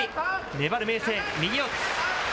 粘る明生、右四つ。